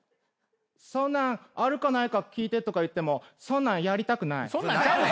そんなあるかないか聞いてとか言ってもそんなんやりたくない。